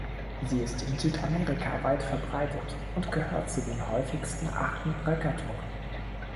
Sie ist in Südamerika weit verbreitet und gehört zu den häufigsten Arten ihrer Gattung.